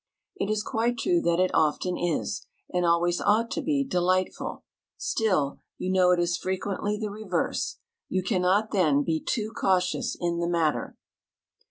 It is quite true that it often is, and always ought to be, delightful; still, you know it is frequently the reverse. You cannot, then, be too cautious in the matter.